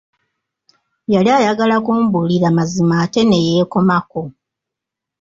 Yali ayagala kumbuulira mazima ate ne yeekomako.